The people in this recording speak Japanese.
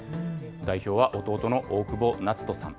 代表は弟の大久保夏斗さん。